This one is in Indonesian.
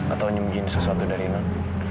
atau menyembunyikan sesuatu dari non